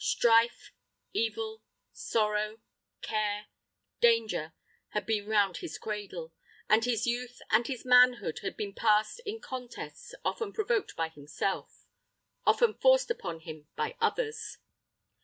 Strife, evil, sorrow, care, danger, had been round his cradle, and his youth and his manhood had been passed in contests often provoked by himself, often forced upon him by others.